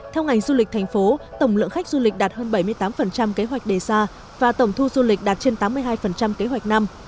theo ngành du lịch thành phố tổng lượng khách du lịch đạt hơn bảy mươi tám kế hoạch đề xa và tổng thu du lịch đạt trên tám mươi hai kế hoạch năm